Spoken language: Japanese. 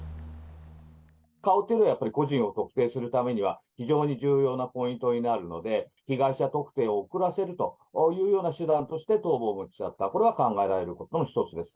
顔っていうのは、やっぱり個人を特定するためには、非常に重要なポイントになるので、被害者特定を遅らせるというような手段として頭部を持ち去った、これは考えられるというのが一つです。